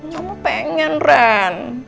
mama pengen ren